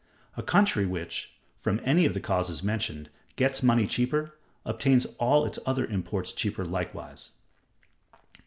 A country which, from any of the causes mentioned, gets money cheaper, obtains all its other imports cheaper likewise.